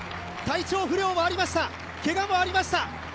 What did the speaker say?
体調不良もありました、けがもありました。